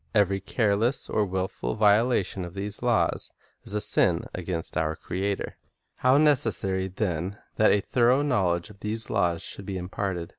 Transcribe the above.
Every careless or wilful viola tion of these laws is a sin against our Creator. How necessary, then, that a thorough knowledge of these laws should be imparted!